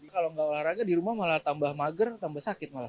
kalau nggak olahraga di rumah malah tambah mager tambah sakit malah